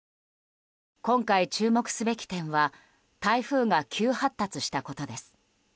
今回、注目すべき点は台風が急発達した点です。